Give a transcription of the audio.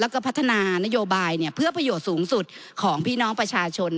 แล้วก็พัฒนานโยบายเพื่อประโยชน์สูงสุดของพี่น้องประชาชน